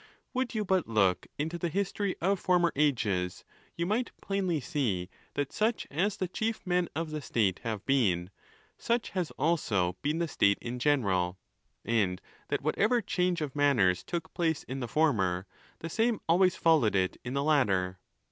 Would you but look into the history of former ages, you might plainly see that such as the chief men of the state have Been, such has also been the state in general; and that whatever change of manners took place in the former, the same always followed it in the latter.